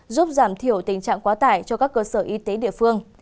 giúp giảm thiểu tình trạng quá tải cho các cơ sở y tế địa phương